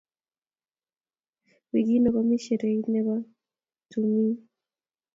Wikiino komii shereit ne bo tumiin.